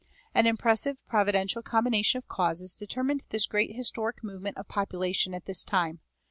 [316:1] An impressive providential combination of causes determined this great historic movement of population at this time.